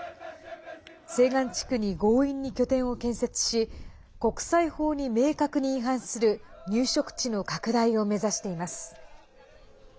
西岸地区に強引に拠点を建設し国際法に明確に違反する入植地の拡大を目指しています。